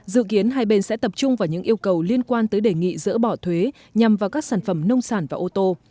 dự kiến hai bên sẽ tập trung vào những yêu cầu liên quan tới đề nghị dỡ bỏ thuế nhằm vào các sản phẩm nông sản và ô tô